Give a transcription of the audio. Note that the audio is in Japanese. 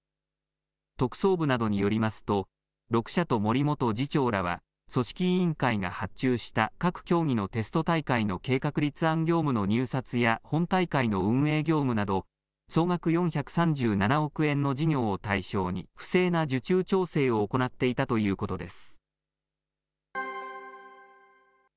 特捜部などによりますと、６社と森元次長らは、組織委員会が発注した各競技のテスト大会の計画立案業務の入札や、本大会の運営業務など、総額４３７億円の事業を対象に、不正な受注調整を行っていたということです。